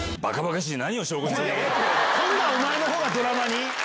今度はお前の方がドラマに⁉